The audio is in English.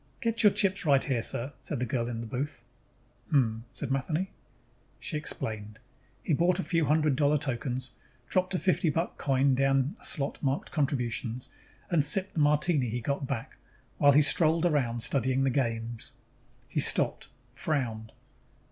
"Get your chips right here, sir," said the girl in the booth. "Hm?" said Matheny. She explained. He bought a few hundred dollar tokens, dropped a fifty buck coin down a slot marked CONTRIBUTIONS, and sipped the martini he got back while he strolled around studying the games. He stopped, frowned.